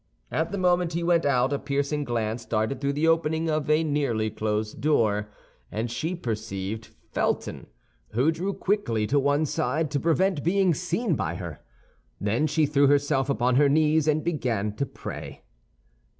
At the moment he went out a piercing glance darted through the opening of the nearly closed door, and she perceived Felton, who drew quickly to one side to prevent being seen by her. Then she threw herself upon her knees, and began to pray.